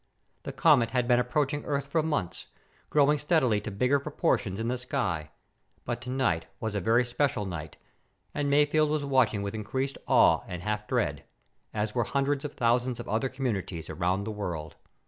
The comet had been approaching Earth for months, growing steadily to bigger proportions in the sky, but tonight was a very special night, and Mayfield was watching with increased awe and half dread as were hundreds of thousands of other communities around the world.